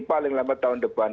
paling lambat tahun depan